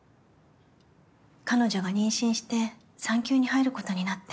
彼女が妊娠して産休に入ることになって。